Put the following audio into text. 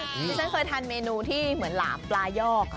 ที่ฉันเคยทานเมนูที่เหมือนหลามปลายอก